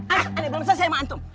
eh aneh belum selesai sama antum